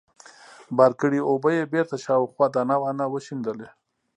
بار کړې اوبه يې بېرته شاوخوا دانه وانه وشيندلې.